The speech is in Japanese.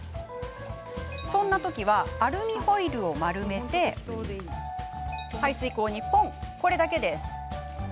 そんな時はアルミホイルを丸めて排水口にぽん、これだけ。